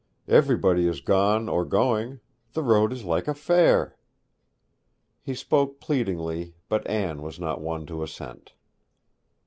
Everybody is gone or going; the road is like a fair.' He spoke pleadingly, but Anne was not won to assent.